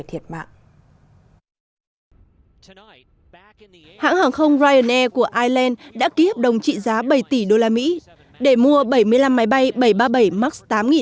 hãng hàng không ryanair của ireland đã ký hợp đồng trị giá bảy tỷ đô la mỹ để mua bảy mươi năm máy bay bảy trăm ba mươi bảy max tám nghìn hai trăm linh